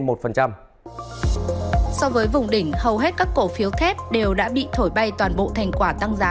so với vùng đỉnh hầu hết các cổ phiếu thép đều đã bị thổi bay toàn bộ thành quả tăng giá